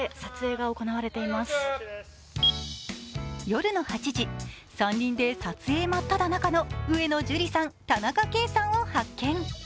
夜の８時、山林で撮影真っただ中の上野樹里さん、田中圭さんを発見。